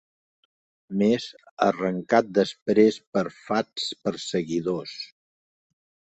Mes, arrencat després per fats perseguidors